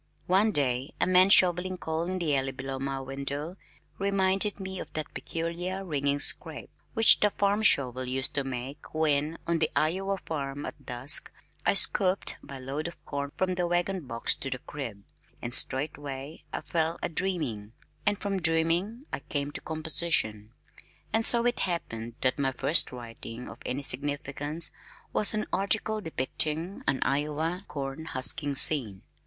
One day, a man shoveling coal in the alley below my window reminded me of that peculiar ringing scrape which the farm shovel used to make when (on the Iowa farm) at dusk I scooped my load of corn from the wagon box to the crib, and straightway I fell a dreaming, and from dreaming I came to composition, and so it happened that my first writing of any significance was an article depicting an Iowa corn husking scene.